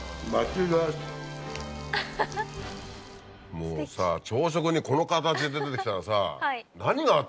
もうさ朝食にこの形で出てきたらさ。